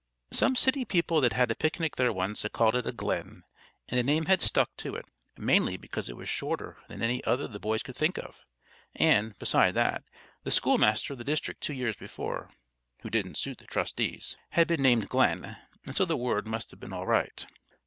Some city people that had a picnic there once had called it a "glen," and the name had stuck to it, mainly because it was shorter than any other the boys could think of; and, besides that, the schoolmaster of the district two years before (who didn't suit the trustees) had been named Glenn, and so the word must have been all right.